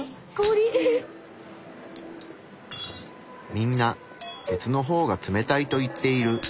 みんな鉄の方が冷たいと言っている。